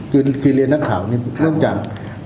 คือเรียนนักข่าวนี่เนื่องจาก